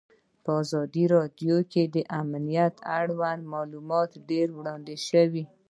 په ازادي راډیو کې د امنیت اړوند معلومات ډېر وړاندې شوي.